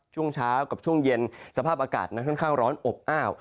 ช่วงเช้ากับช่วงเย็นสภาพอากาศนั้นค่อนข้างร้อนอบอ้าว